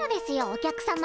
お客様。